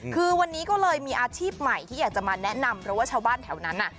คือวันนี้ก็เลยมีอาชีพใหม่ที่อยากจะมาแนะนำเพราะว่าชาวบ้านแถวนั้นน่ะ